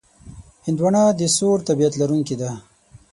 هندوانه د سوړ طبیعت لرونکې ده.